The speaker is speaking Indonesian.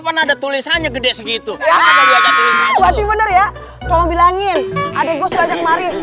pernah ada tulisannya gede segitu ya tolong bilangin adek gue saja kemari